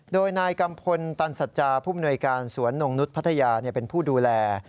โดยนายกัมพลตันสัจจาผู้มนวยการสวนนงนุษย์พัทยาเป็นผู้ดูแล